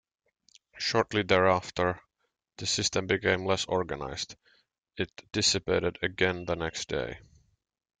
Shortly thereafter, the system became less organized; it dissipated again the next day.